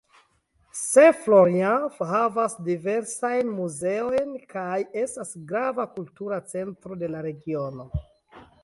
St. Florian havas diversajn muzeojn kaj estas grava kultura centro de la regiono.